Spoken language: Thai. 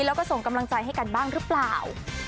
แล้วก็ส่งกำลังใจให้กันบ้างหรือเปล่า